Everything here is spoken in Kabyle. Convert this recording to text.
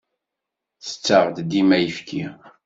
Tettaɣ-d dima ayefki.